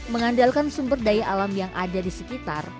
mengandalkan sumber daya alam yang ada di sekitar